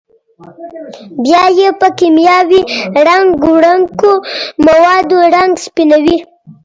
بیا یې په کېمیاوي رنګ وړونکو موادو رنګ سپینوي.